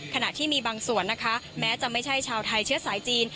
ขณะที่มีบางส่วนนะคะแม้จะไม่ใช่ชาวไทยเชื้อสายจีน